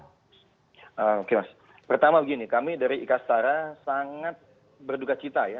terus pertama begini kami dari ika setara sangat berduka cita ya